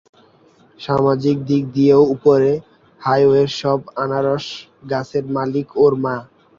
সামাজিক দিক দিয়েও উপরে, হাওয়াইয়ের সব আনারস গাছের মালিক ওর মা।